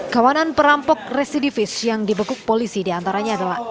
kawanan perampok residivis yang dibekuk polisi diantaranya adalah